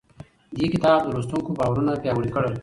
دې کتاب د لوستونکو باورونه پیاوړي کړل.